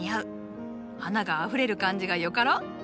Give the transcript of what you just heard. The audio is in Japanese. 花があふれる感じがよかろう？